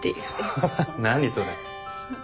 ハハハ何それ。